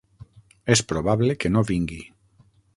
És probable que no vingui.